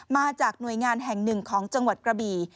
มาจากหน่วยงานแห่งหนึ่งของจังหวัดกระบี่